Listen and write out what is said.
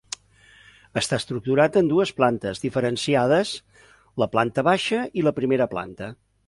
Està estructurat en dues plantes diferenciades, la planta baixa i la primera planta.